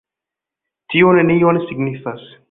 Tio nenion signifas.